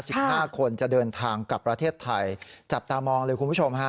สิบห้าคนจะเดินทางกลับประเทศไทยจับตามองเลยคุณผู้ชมฮะ